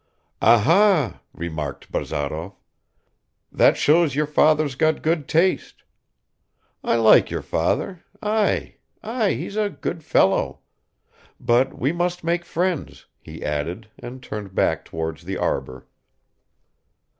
"Aha!" remarked Bazarov. "That shows your father's got good taste. I like your father; ay, ay! He's a good fellow. But we must make friends," he added, and turned back towards the arbor.